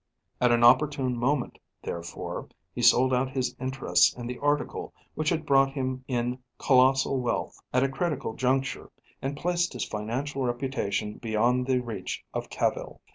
At an opportune moment, therefore, he sold out his interests in the article which had brought him in colossal wealth at a critical juncture, and placed his financial reputation beyond the reach of cavil.